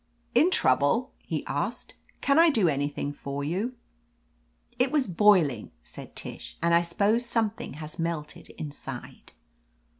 "In trouble ?" he asked. "Can I do anything for you ?" "It was boiling," said Tish. "I suppose something has melted inside."